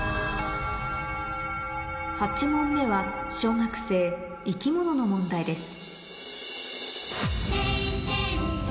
８問目は小学生の問題です